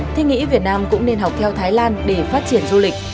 thế nghĩ việt nam cũng nên học theo thái lan để phát triển du lịch